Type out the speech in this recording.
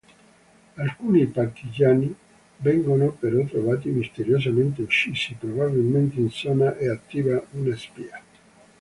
Alcuni partigiani vengono però trovati misteriosamente uccisi: probabilmente in zona è attiva una spia.